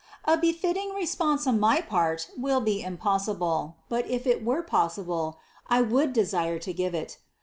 A befitting response on my part will be impossible, but if it were possible, I would desire to give it.